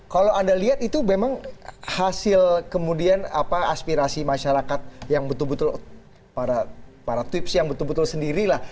kalau anda lihat itu memang hasil kemudian aspirasi masyarakat yang betul betul para twips yang betul betul sendiri lah